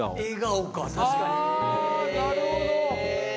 あなるほど！